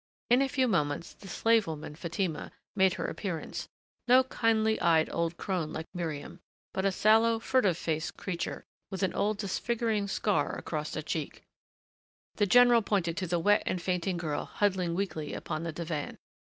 In a few moments the slave woman, Fatima, made her appearance, no kindly eyed old crone like Miriam, but a sallow, furtive faced creature, with an old disfiguring scar across a cheek. The general pointed to the wet and fainting girl huddling weakly upon the divan.